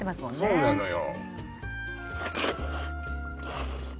そうなのよ